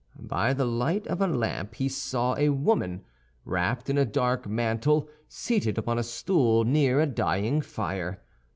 By the light of a lamp he saw a woman, wrapped in a dark mantle, seated upon a stool near a dying fire.